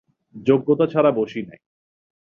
যোগ্যতা ছাড়া বসি নাই।